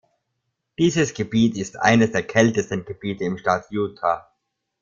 Dieses Gebiet ist eines der kältesten Gebiete im Staat Utah.